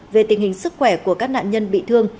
về tình hình sức khỏe của các nạn nhân bị thương